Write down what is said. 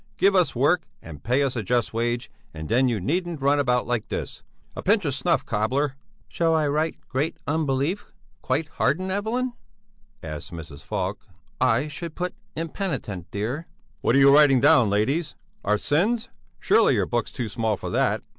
Give us work and pay us a just wage and then you needn't run about like this. A pinch of snuff, cobbler!" "Shall I write: Great unbelief, quite hardened, Evelyn?" asked Mrs. Falk. "I should put impenitent, dear." "What are you writing down, ladies? Our sins? Surely your book's too small for that!"